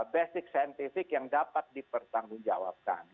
basic scientific yang dapat dipertanggungjawabkan